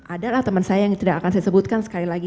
adalah teman saya yang tidak akan saya sebutkan sekali lagi